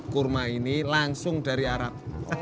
kurma ini langsung dari arab